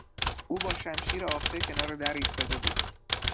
او با شمشیر آخته کنار در ایستاده بود.